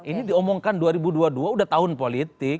ini diomongkan dua ribu dua puluh dua udah tahun politik